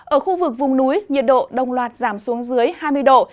ở khu vực vùng núi nhiệt độ đồng loạt giảm xuống dưới hai mươi độ